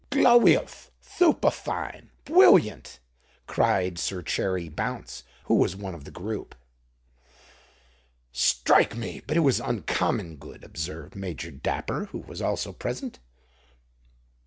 "Glowiouth—thuperfine—bwilliant!" cried Sir Cherry Bounce, who was one of the group. "Strike me—but it was uncommon good!" observed Major Dapper, who was also present.